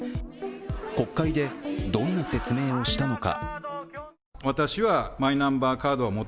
国会でどんな説明をしたのか。